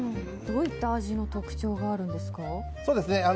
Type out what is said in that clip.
どういった味の特徴があるんですか？